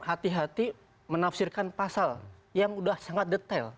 hati hati menafsirkan pasal yang sudah sangat detail